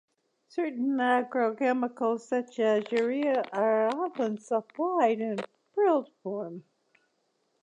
Certain agrochemicals such as urea are often supplied in prilled form.